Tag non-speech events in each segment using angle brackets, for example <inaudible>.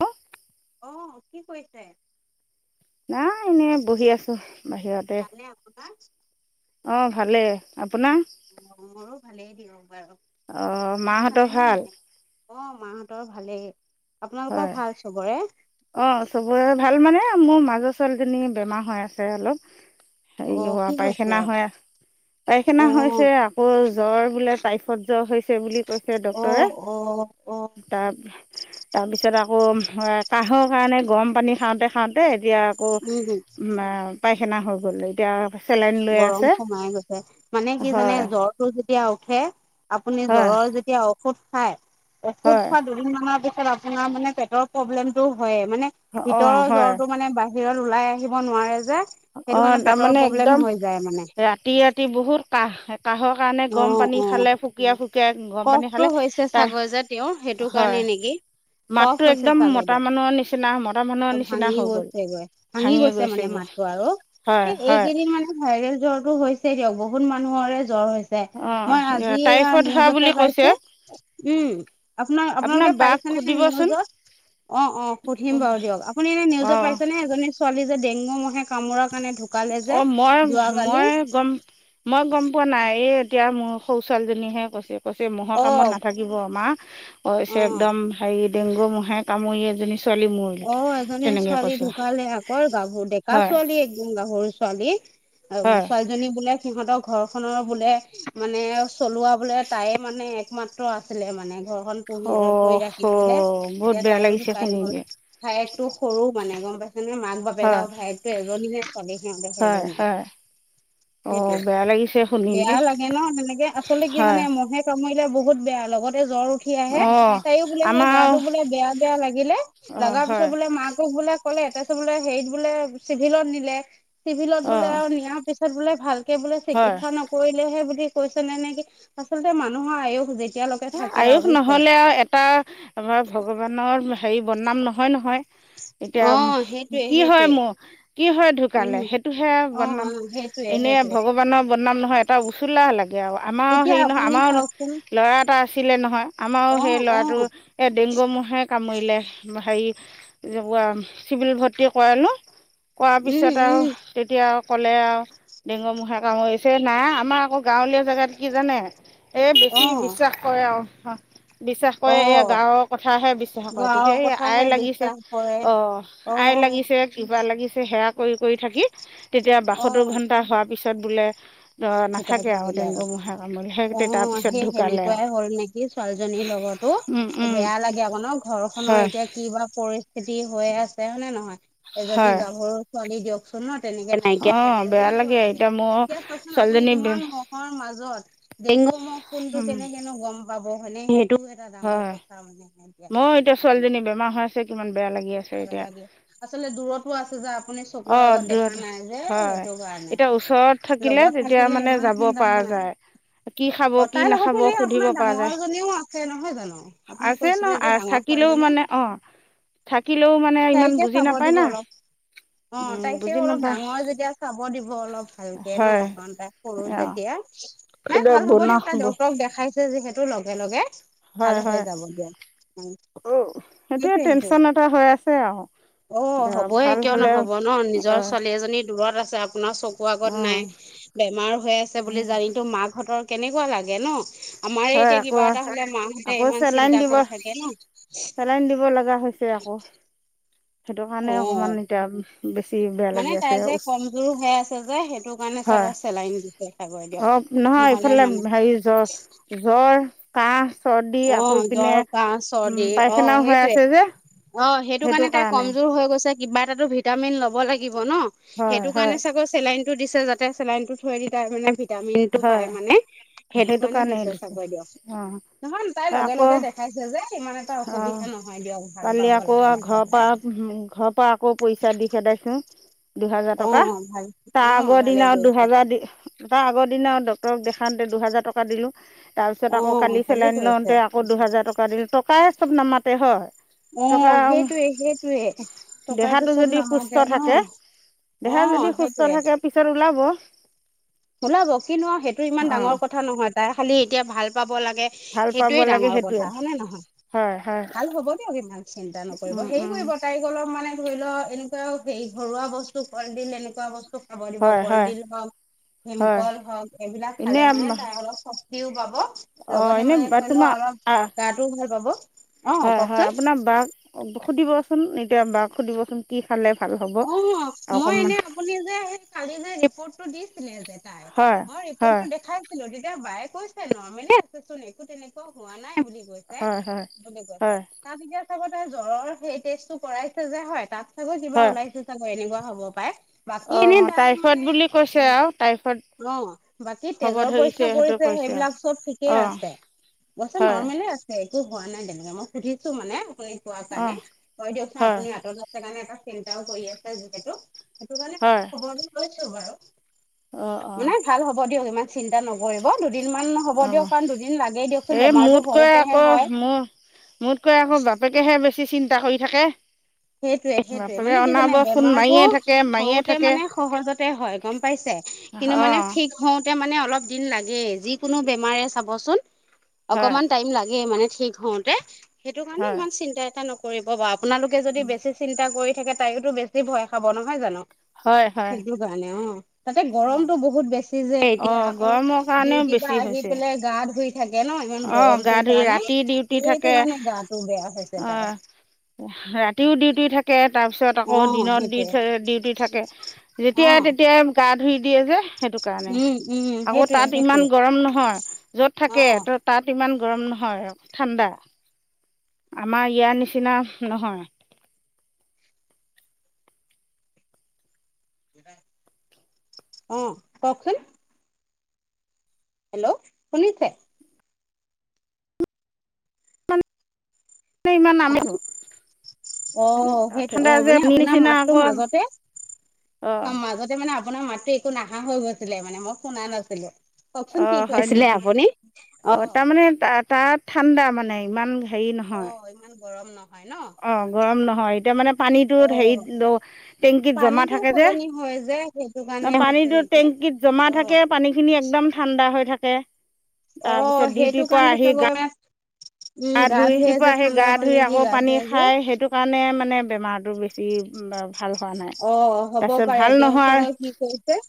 হ। অ কি কৰিছে। নাই এনেই বহি আছো। ভালেনে আপোনাৰ। অ ভালে। মোৰো ভালেই দিওঁ বাৰু। অ ভাত খালে মাহঁতৰ নে ভাল। নাই? অ মাহঁতৰ ভালেই আপোনালোকৰ ভাল চবৰে। অ চবৰে ভাল মানে মোৰ মাজৰ ছোৱালীজনী বেমাৰ হৈ আছে অলপ। হেৰি অ', হ কি হৈছে? পায়খানা হৈ আ পায়খানা অ', হৈছে আকৌ জ্বৰ। বোলে তাইফত জৰ হৈছে বুলি কৈছে অ', ডক্টৰে অ', অ', তাৰ। তাৰ পিছত আকৌ কাহৰ কাৰণে গৰম পানী খাওঁতে খাওঁতে। এতিয়া আকৌ উম, পায়খানা হৈ গ'ল এতিয়া। চেলাইন লৈ গৰম আছে সোমাই গৈছে মানে কি জানে হয় জ্বৰটো যেতিয়া উঠে। আপুনি হয় জ্বৰৰ যেতিয়া ঔষধ খাই ঔষধ হয় খোৱা দুদিন মানৰ পিছত। আপোনাৰ মানে পেটৰ প্ৰব্লেমতটো হয়ে মানে অঁ ভিতৰৰ হয় জ্বৰটো মানে বাঢ়ে। ভিৰত ওলাই আহিব নোৱাৰে যে। সেইটো অ মানে পেটৰ তাৰমানে প্ৰব্লেম একদম। হৈ যায় মানে। ৰাতি- ৰাতি বহুত কাহ কাহৰ কাৰণে গৰম অ', পানী অ'। খালে হোকিয় ফুক। যায় গৰম পানী কফটো খালে হৈছে তাৰ চাগৈ যে তেওঁৰ সেইটো হয়। কাৰণে নেকি কফ মাততো হৈছে একদম চাগৈ মতা দিয়ক মানুহৰ নিচিনা মতা অ মানুহৰ ভাঙি নিচিনা হৈ গ'ল গৈছেগৈ ভাঙি গৈছে মানে এইবোৰ। মাতটো আৰু স এইকেইদিন মানে ভাইৰেল জ্বৰো হৈছে দিয়ক বহুত মানুহৰে। জ্বৰ হৈছে অ মই আজি টাইফইড হোৱা বুলি নিউজত। কৈছে পাইছো উম আপোনাৰ আপোনালোকে বাক পাইছেনে সুধিবচোন নিউজত। অ অ সুধিম বাৰু দিয়ক আপুনি এনে অ নিউজত পাইছেনেে এজনী ছোৱালী যে ডেংগো মহে কামোৰা। অ মই মই গম মই গম পোৱা নাই এই। এতিয়া মোৰ সৰু ছোৱালীজনীহে কৈছিল। কৈছে মৰ অ কামত নাথাকিব আমাৰ অ একদম হেৰিত। ডেংগু মহে কামুৰি এজনী। ছোৱালী মৰিল অ এজনী তেনেকে ছোৱালী কৈছে ঢুকালে আকৌ গাভৰু ডেকা হয় ছোৱালী একদম গাভৰুছোৱালী। আৰু হয় ছোৱালীজনী বোলে সিহঁতৰ ঘৰখনৰ বোলে, মানে চলোৱা বোলে, তাইয়ে মানে একমাত্ৰ আছিলে মানে। ঘৰখন পুহি অ' কৰি হ' ৰাখিছিলে বহুত এতিয়া বেয়া তাইয়ো লাগিছে শুনি ঢুকাই যে গ'ল। ভাইয়েকটো সৰু মানে গম পাই মানে মাক-বাপেক হয় আৰু ভাইকয়েতো এজনী হে ছোৱালী সিহঁতেৰ হয় সেইজনী হয় অ' সেইটোৱেই। বেয়া লাগিছে শুনি বেয়া দেই লাগে ন তেনেকে, আচলতে কি হয় জানে মহে কামুৰিলে বহুত বেয়া, লগতে জ্বৰ উঠি আহে, অ' তাইও বোলে সেই আমাৰ গাটো বোলে বেয়া-বেয়া লাগিলে অ' লগাৰ হয় পিছত বোলে মাকক বোলে কলে, তাৰপিছত বোলে, হেৰিত বোলে চিভিলত নিলে। চিভিলত বোলে অ' আৰু নিয়াৰ পিছত বোলে ভালকে বোলে হয় চিকিৎসা নকৰিলেহে বোলে। কৈছে নে-নে কি আচলতে মানুহৰ আয়ুস বেছি এ আয়ুস নহলে আৰু এটা আমাৰ ভগৱানৰ হেৰি বদনাম নহয়-নহয়। হয় । অ এতিয়া সেইটোয়ে কি হয় সেইটোয়ে মোৰ কি হয় উম ঢুকালে সেইটোহে অ অ বদনাম সেইটোয়ে এনেই সেইটোয়ে ভগৱানৰ বদনাম নহয়। এটা লাগে আৰু আমাৰো এতিয়া হেৰি নহয়, আপুনি আমাৰো চাওকচোন ল'ৰা এটা আছিলে নহয়। আমাৰো অ সেই অ ল'ৰাটোৰ এ ডেংগু মহে কামুৰিলে । হেৰি <unintelligible> চিভিল ভৰ্তি কৰালো কৰোৱাৰ উম পিছত আৰু তেতিয়া আও কলে আৰু ডেঙগু মহে কামুৰিছে, নাই আমাৰ আকৌ গাঁৱলীয়া জেগাত কি জানে? এই বেছি উম বিশ্বাস কৰে আৰু বিশ্বাস অ কৰে, এই অ গাঁৱৰ কথাহে বিশ্বাস কৰে, তেতিয়া গাঁৱৰ এই আই কথাহে লাগিছে বিশ্বাস কৰে অ অ আই লাগিছে, কিবা লাগিছে সেৱা কৰি-কৰি থাকি তেতিয়া অ বাসত্তৰ ঘন্টা হোৱাৰ পিছত বোলে ঢুকাই নাথাকে আৰু থাকিলে ডেংগু মহে কামুৰিলে অ সেই তাৰ পিছত ঢুকালে আৰু। সেনেকুৱাই নেকি ছোৱালীজনীৰ লগতো উম উম বেয়া লাগে আক ন, ঘৰখনৰ হয় এতিয়া কিবা পৰি স্থিতি হৈ আছে হয় নে নহয় এজনী হয় গাভৰুছোৱালী দিয়কচোন ন তেনেকে নাইকিয়া হৈ অঁ গলে বেয়া কেনেকুৱা লাগে মোৰ এতিয়া চাওকচোন আপু আপুনি ছোৱালীজনী ইমান মহৰ মাজত ডেংগু মহ কোনটো কেনেকেনো গম পাব হয়নে? এটা ডাঙৰ হয় কথা মানে এতিয়া মই এতিয়া ছোৱালীজনী আপোনাৰ বেমাৰ হৈ আছে কিমান বেয়া লাগি আছে ভয় এতিয়া লাগে। আচলতে দূৰতো আছে যে আপুনি চকুৰ অ আগত দেখা দূৰত নাই যে হয় সেইটো কাৰণে। এতিয়া ওচৰত থাকিলে লগত এতিয়া মানে ইমান যাব চিন্তা পৰা নাই। যায়। কি খাব, অ কি তাইৰ লগতো নাখাব, এনে সুধিব আপোনাৰ পৰা ডাঙৰ যায়। জনীও আছে নহয় জানো? আপুনি আছে ন কৈছিলে যে আহ ডাঙৰ থাকিলেও ছোৱালীজনী মানে অঁ থাকিলেও মানে ইমান তাইকে বুজি চাব নাপায় দিব না। অলপ। অ উম বুজি তাইকেও অলপ নাপায় ডাঙৰ যেতিয়া চাব দিব অলপ ভালকে ন। হয় <inaudible> তাই সৰু অঁ যেতিয়া, নাই এতিয়া ভাল হ'ব বনাহ দিয়ক তাই ডক্তৰক দেখাইছে যিহেতু লগে-লগে। হয়-হয় অ সেইটোয়ে সেইটোৱে সেইটোৱে। টেনচন এটা হৈ আছে আওঁ অ হবয়ে কিয় নহব ন, নিজৰ হয় ছোৱালী এজনী দূৰত আছে আপোনাৰ চক চকুৰ আগত অঁ নাই, বেমাৰ হৈ আছে বুলি জানিটো মাকহঁতৰ কেনেকুৱা লাগে ন। আমাৰে হয় এতিয়া আকৌ কিবা এটা হলে মাহঁতে আকৌ ইমান চেলাইন চিন্তা দিব কৰি থাকে ন। <inaudible> চেলাইন দিব লগা হৈছে আকৌ সেইটো অ কাৰণে অকনমান এতিয়া বেছি বেয়া লাগি মানে আছে তাই যে কমজোৰ হৈ আছে যে সেইটো কাৰণে চাব হয় চেলাইন দিছে। চাগৈ দিয়ক অ নহয় নহ'লে ইফালে মানে হেৰি জ্ব <unintelligible> জ্বৰ, কাঁহ চৰ্দি অ আকৌ ইপিনে জ্বৰ কাহ উম চৰ্দি অ পায়খানাও হৈ সেইটোৱে আছে যে। অ সেইটো কাৰণে তাই কমজোৰ হৈ গৈছে। কিবা এটা ভিটামিন ল'ব লাগিব ন, হয় সেইটো হয় কাৰণে চাগৈ চেলাইনটো দিছে যাতে তাতে চেলাইনটো থৈ দি তাৰ মানে ভিটামিন টো হয় পাই মানে। সেইটো কাৰণে দিছে চাব দিয়ক। অ নহয় তাই আকৌ লগে-লগে দেখাইছে যে ইমান এটা অ অসুবিধা নহয় দিয়ক, ভাল কালি পাব আকৌ লাহে-লাহে ঘৰৰ তাই। পৰা ঘৰৰ পৰা আকৌ পইচা দি খেদাইছো। দুহেজাৰ অ টকা ভাল তাৰ অ আগৰ ভালে দিন কৰিছে দুহেজাৰ দি তাৰ আগৰ দিনা আৰু ডাক্তৰক দেখাতে দুহাজাৰ টকা দিলো তাৰপিছত অ আকৌ কালি ভালে চেলাইন কৰিছে লওঁতে আকৌ দুহেজাৰ টকা দিলোঁ টকাই চব নামাতে হয়। অ থকা সেইটোৱে সেইটোৱে টকাইতো দেহাটো চব যদি নামাতে সুস্থ ন থাকে। অ দেহা যদি সুস্থ সেইটোৱে থাকে পিছত ওলাব। ওলাব কিনো সেইটো ইমান অঁ ডাঙৰ কথা নহয় তাই খালি এতিয়া ভাল পাব লাগে। ভাল পাব সেইটোৱে লাগে ডাঙৰ সেইটোৱে কথা হয়নে নহয় হয় হয় ভাল হ'ব দিয়ক ইমান চিন্তা নকৰিব উম, হেৰি উম, কৰিব তাইক অলপ মানে ধৰি লওক এনেকুৱাও হেৰি ঘৰুৱা বস্তু কলডিল এনেকুৱা বস্তু খাব দিব হয় হয় কলডিল হওক ম হয় হক এইবিলাক খালে এনেই মানে তাই অলপ শক্তিও পাব অঁ লগতে মানে এনেই ধৰি লও তোমাৰ অলপ আহ গাটোও ভাল পাব অ হয় হয় কওকচোন আপোনাৰ বাক সুধিবচোন এতিয়া বাক সুধিবচোন কি খালে? ভাল হ'ব অ মই অকণমান এনে আপুনি যে স কালি যে ৰিপৰ্টটো দিছিলে যে তাই হয় মই হয় ৰিপৰ্টটো দেখাইছিলো তেতিয়া বায়ে কৈছে নৰ্মেল আচোন একো তেনেকুৱা হোৱা নাই নাই বুলি কৈছে হয় হয় বুলি হয় কৈছে <unintelligible> চ ত জ্বৰৰ সেই টেষ্টটো কৰাইছে যে হয় তাত চাগৈ কিবা হয় ওলাইছে চাগৈ এনেকুৱা হ'ব পাই অ টাইফয়ড বুলি কৈছে আওঁ টাইফয়ড। অ বাকী তেজৰ পৰীক্ষা কৰিছে কৈছে সেইবিলাক চব ঠিকেই অ আছে। বছে হয় নৰমেলি আছে। একো হোৱা নাই তেনেকে মই সুধিছো মানে আপুনি কোৱাৰ অ কাৰণে কই দিয়কচোন হয় আপুনি আঁতৰত আছে কাৰণে এটা চিন্তাও কৰি আছে যিহেতু সেইটো কাৰণে হয় ম খবৰ লৈছো বাৰু অ অ মানে ভাল হ'ব দিয়ক ইমান চিন্তা নকৰিব। দুদিনমান হ'ব অ দিয়ক কাৰণ দুদিন লাগেই দিয়কচোন এই বেমাৰতটো মোতকৈ হওঁতেহে আকৌ হয়। মোৰ মোতকৈ আকৌ বাপেকেহে বেছি চিন্তা কৰি থাকে। সেইটোয়ে সেইটোয়ে বাপেকে মানে কি জানে অনাবৰ ফোন বেমাৰতটো মাৰিয়ে থাকে মাৰিয়ে সওঁতে থাকে মানে সহজতে হয় গম পাইছে। অ কিন্তু মানে ঠিক হওঁতে মানে। দিন লাগেই, যিকোনো বেমাৰে চাব চুন। হয় অকণমান টাইম। ঠিক হওঁতে সেইটো কাৰণে হয় ইমান চিন্তা এটা নকৰিব বাৰু আপোনালোকে যদি বেছি চিন্তা কৰি। থাকে তাইতো বেছি ভয় খাব নহয় জানো, হয় হয় সেইটো কাৰণে অ তাতে গৰমতটো বহুত বেছি যে অ এতিয়া আকৌ গৰমৰ কাৰণেও ডিউটিৰ বেছি পৰা আহি হৈছে পেলাই গা ধুই থাকে ন ইমান অ গা গৰমটো ধুই কাৰণে ৰাতি ডিউটি থাকে সেইটো কাৰণে গাটো বেয়া হৈছে অ তাই ৰাতিও ডিউটি থাকে। তাৰপিছত অ আকৌ দিনত দি সেইটোৱে ডিউটি থাকে অ যেতিয়াই তেতিয়াই গা ধুই দিয়ে যে। সেইটো কাৰণে উম উম আকৌ সেইটোৱে তাত সেইটোৱে ইমান গৰম নহয় য'ত অ থাকে ত'ত। ইমান গৰম নহয় ঠাণ্ডা আমাৰ ইয়াৰ নিচিনা নহয়। অঁ কওঁকচোন। হেল্ল' শুনিছে। ইমান নামাৰো অঁ সেইটো অঁ মানে আপোনাৰ নিচিনা মাতটোৰ আকৌ মাজতে, অঁ মাজতে মানে আপোনাৰ মাততো একো নাহা হৈ গৈছিলে মানে মই শুনা নাছিলো। কওকচোন কি অঁ হয় কৈছিলে নেকি আপুনি অ অঁ তাৰমানে তাত ঠাণ্ডা মানে ইমান হেৰি অ নহয়। ইমান গৰম নহয় ন অঁ গৰম নহয় এতিয়া মানে। অ পানীতোত হেৰিত টেংকিত জমা পানীটো থাকে যে সলনি হয় যে সেইটো কাৰণে ন হৈছে পানীতটো নেকি টেংক ত জমা অ থাকে পানী খিনি একদম ঠাণ্ডা হৈ থাকে। অ তাৰ পিছত সেইটো ডিউটিৰ পৰা কাৰণে আহি চাগৈ গা উম গা ধুই ধুৱে যে ৰাতিপুৱা সেই গা ঠাণ্ডা পানী ধুই দি আকৌ গা পানী ধুৱে যে খায় সেইটো কাৰণে মানে বেমাৰটো বেছি। ভাল হোৱা নাই অঁ হ'ব তাৰপিছত পাৰে ভাল তেওঁ নোহোৱা চাগে কি কৰিছে?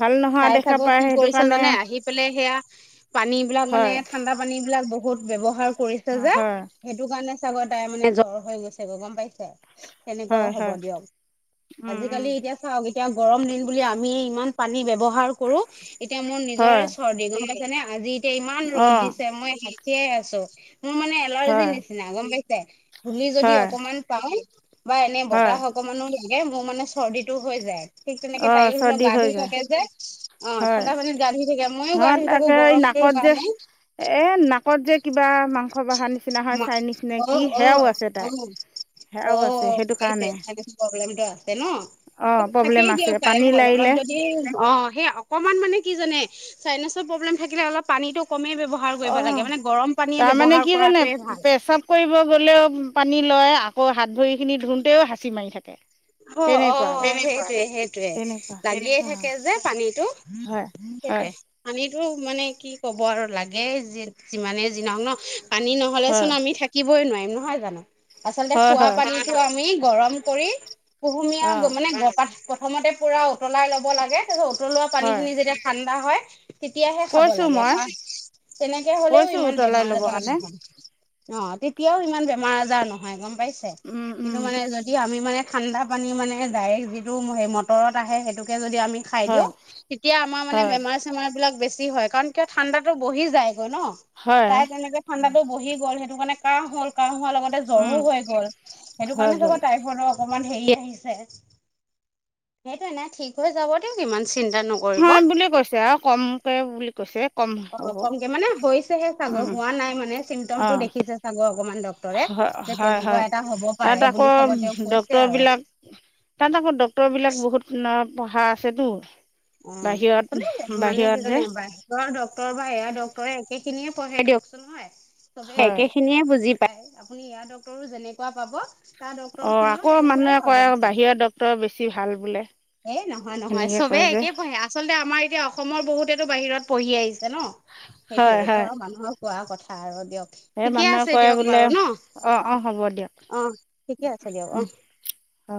ভাল নোহোৱা চাই দেখা থাকো পায় কি সেইটো কৰিছ কাৰণে জানে আহি পেলাই সেয়া পানী বিলাক মানে হয় ঠাণ্ডা পানী বিলাক বহুত বহুত ব্যবহাৰ কৰিছে যে হয় সেইটো কাৰণে চাগৈ তাই মানে জ্বৰ হৈ গৈছে গৈ গম পাইছে। সেনেকুৱাওঁ হয় হ'ব হয় দিয়ক উম উম আজিকালি এতিয়া চাওক এতিয়া গৰম দিন বুলি আমি ইমান পানী ব্যৱহাৰ কৰো এতিয়া মোৰ হয় নিজৰে চৰ্দি গম জানে আজি এতিয়া ইমান ৰ'দ অঁ দিছে মই হাকিয়াই আছো মোৰ মানে এলাৰ্জি হয় নিচিনা গম পাইছে। ছে ধুলী যদি হয় অকমান পাওঁ বা এনে হয় বতাহ অকমানো লাগে মোৰ মানে চৰ্দি টো হৈ যায় ঠিক তেনেকে অঁ তাৰিখ ধৰি লওক চৰ্দি গা হৈ ধুই যায় থাকে যে। অ হয় ঠাণ্ডা পানীত গা ধুই থাকে মইও নহ গা ধুই থাকো তে এই গৰমটোৰ নাকত যে কাৰণে এ নাকত যে যে কিবা মাংস বাহান। না অঁহ ', - অঁহ ', - তাই অঁহ ', সেয়াও আছে সেইটো উম, কাৰণে ছাইনাছৰ প্ৰব্লেম। আছে ন অ' প্ৰব্লেম থাকেই আছে দিয়ক চাই পানী ভাল অলপ লাৰিলে যদি অহ ', সেই অকমান মানে কি জানে ছাইনাছৰ প্ৰব্লেম থাকিলে অলপ পানীটো কমেই ব্যৱহাৰ কৰিব লাগে মানে গৰম পানীয়ে ব্যৱহাৰ কৰাত প্ৰেচাব কৰিব গ'লেও পানী লয় আকৌ হাত ভৰি খিনি ধুতেও হাচি মাৰি থাকে। অহ ', - তেনেকুৱা অহ ', তাই সেইটয়ে- সেইটোৱে তেনেকুৱা লাগিয়ে অ' থাকে যে পানীতটো। হয় হয় পানীটো মানে কি কব আৰু লাগে যিমানে যি নহওক ন। পানী হয় নহ'লেচোন আমি থাকিবই নোৱাৰিম নহয় জানো। আচলতে হয় খোৱা হয় পানীতো আমি গৰম কৰি কুহুমীয়া অ' মানে প্ৰথমতে পুৰা উতলাই ল'ব লাগে তাৰত উতলোৱা হয় পানীখিনি যেতিয়া ঠাণ্ডা হয় তেতিয়াহে খাব কৈছোঁ লাগে প মই তেনেকে হ'লেও কৈছোঁ ইমান উতলাই বেমাৰ ল'বৰ আজাৰ কাৰণে নহয়। অঁহ ', তেতিয়াও ইমান বেমাৰ আজাৰ নহয় ।গম পাইছে উম উম কিন্তু মানে যদি আমি মানে ঠাণ্ডা পানী মানে ডাইৰেক্ট যিটো সেই মটৰত আহে সেইটোকে য আমি খাই হয় দিওঁ তেতিয়া আমাৰ মানে হয় বেমাৰ চেমাৰ বিলাক বেছি হয় কাৰণ কিয় ঠাণ্ডাটো বহি যায়। ন হয় তাই তেনেকে ঠাণ্ডাটো বহি গল সেইটো কাৰণে কাহ হল কাহ লগতে জ্বৰো উম হৈ গ'ল সেইটো হৈ কাৰণে চাগ গ'ল টাইফডক সেইটো এ ঠিক হৈ যাব দিয়ক। চিন্তা নকৰিব হয় বুলি কৈছে আৰু কমকে বুলি কৈছে কম অঁহ হ'ব ', কমক মানেহে মানে হৈছেহে । উম হোৱা নাই মানে চিমটমো অ' দেখিছে চাগে অকনমান। দৰে হয় যে হয় তেনেকুৱা এটা হব পাৰে বুলি চাব তেওঁ কৈ ডক্টৰে বিলাক তাত আকৌ ডক্তৰ বিলাক বহুত পঢ়া আছেতো। অ', বাহিৰত অকলে মানে বাহিৰত কি যে জানে বাহিৰৰ ডক্টৰ বা এয়া ডক্টৰে একে খিনিয়ে পঢ়ে দিয়কচোন হয়, চবে হয় একে খিনিয়ে বুজি আপুনি ইয়াৰ ডক্টৰো যেনেকুৱা পাব তাৰ ডক্তৰ অ', খিনিও আকৌ তেনেকুৱাই মানুহে পাব কয় আও আচলতে বাহিৰা ডক্টৰ বেছি ভাল বোলে। এ নহয় নহয় সেনেকে চবে কয় যে একে পঢ়ে, আচলতে আমাৰ এতিয়া অসমৰ বহুতে বাহিৰত পঢ়ি আহিছে নহ, সেইটোয়ে হয় এইটো হয় আও মানুহৰ কোৱা কথা আৰু দিয়ক। এই ঠিকে মানুহে আছে কয় দিয়ক বোলে বাৰু অ ন, অ হ'ব দিয়ক অ' ঠিকে আছে দিয়ক অহ'। অ'।